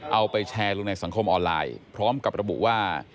เอาไปแชร์ลงในสังคมออนไลน์พร้อมกับระบุว่า